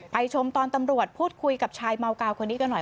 ชมตอนตำรวจพูดคุยกับชายเมากาวคนนี้กันหน่อย